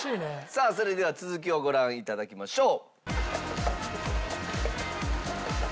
さあそれでは続きをご覧いただきましょう。